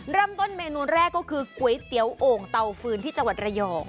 เริ่มต้นเมนูแรกก็คือก๋วยเตี๋ยวโอ่งเตาฟืนที่จังหวัดระยอง